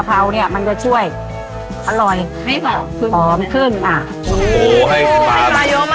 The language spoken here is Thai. ปลากุแล